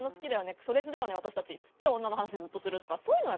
くそレズだよね私たち」つって女の話ずっとするとかそういうの。